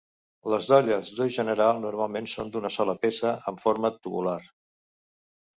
Les dolles d'ús general normalment són d'una sola peça amb forma tubular.